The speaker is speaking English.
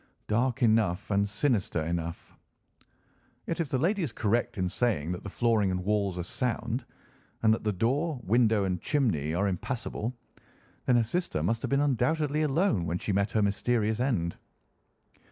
"Dark enough and sinister enough." "Yet if the lady is correct in saying that the flooring and walls are sound, and that the door, window, and chimney are impassable, then her sister must have been undoubtedly alone when she met her mysterious end."